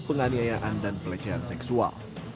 penganiayaan dan pelecehan seksual